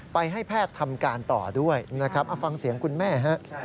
ให้แพทย์ทำการต่อด้วยนะครับเอาฟังเสียงคุณแม่ฮะ